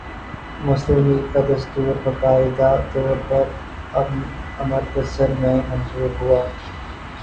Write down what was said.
مسلم لیگ کا دستور باقاعدہ طور پر امرتسر میں منظور ہوا